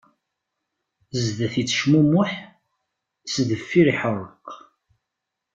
Zdat ittecmummuḥ, sdeffir iḥeṛṛeq.